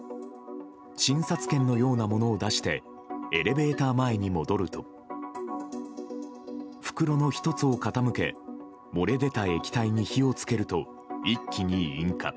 診察券のようなものを出してエレベーター前に戻ると袋の１つを傾け漏れ出た液体に火を付けると一気に引火。